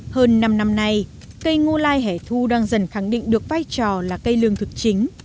hơn năm năm nay cây ngô lai hẻ thu đang dần khẳng định được vai trò là cây lương thực chính